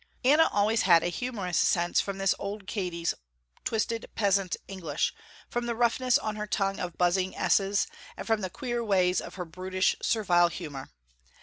Anna always had a humorous sense from this old Katy's twisted peasant english, from the roughness on her tongue of buzzing s's and from the queer ways of her brutish servile humor.